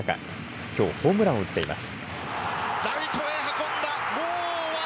きょうホームランを打っています。